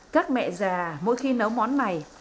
các mẹ già mỗi khi nấu món này